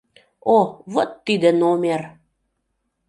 О, вот тиде номер!